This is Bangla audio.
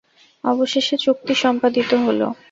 অবশেষে চুক্তি সম্পাদিত হলো।